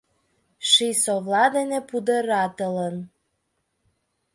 Ший совла дене пудыратылын.